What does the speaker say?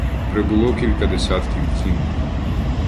Прибуло кілька десятків кінних.